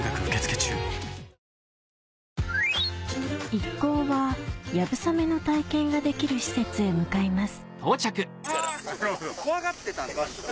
一行は流鏑馬の体験ができる施設へ向かいます